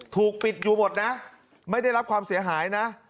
ถูกปิดอยู่หมดนะไม่ได้รับความเสียหายนะ